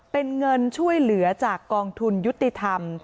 เป็นเงินช่วยเหลือจากกองทุนยุติธรรม